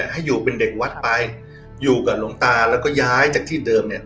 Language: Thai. ให้อยู่เป็นเด็กวัดไปอยู่กับหลวงตาแล้วก็ย้ายจากที่เดิมเนี่ย